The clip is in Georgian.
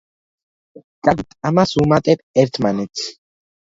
კარგით, ამას ვუმატებთ ერთმანეთს.